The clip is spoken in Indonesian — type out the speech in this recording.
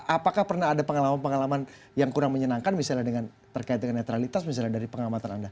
apakah pernah ada pengalaman pengalaman yang kurang menyenangkan misalnya terkait dengan netralitas misalnya dari pengamatan anda